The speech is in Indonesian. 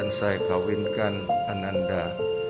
dengan mas kawin yang tersebut dibayar tunai